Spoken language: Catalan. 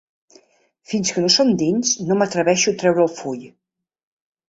Fins que no som dins no m'atreveixo a treure el full.